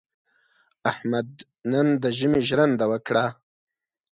احمد نن د ژمي ژرنده وکړه.